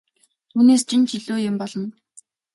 Түүнээс чинь ч илүү юм болно!